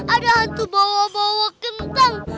ada hantu bawa bawa kentang